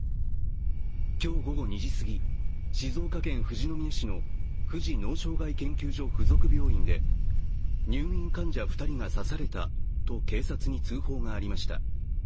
今日午後２時すぎ、静岡県富士宮市の富士脳障害研究所附属病院で、入院患者２人が刺されたと警察に通報がありました。